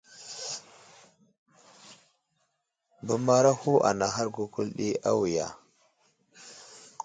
Bəmaraho anaŋhar gukuli ɗi awiya.